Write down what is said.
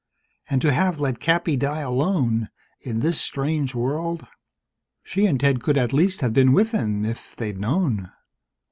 And to have let Cappy die alone, in this strange world ... She and Ted could at least have been with him, if they'd known.